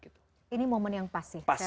ini momen yang pas sih